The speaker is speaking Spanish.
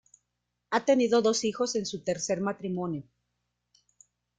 Ha tenido dos hijos en su tercer matrimonio.